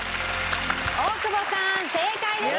大久保さん正解です。